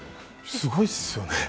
すごいですよね。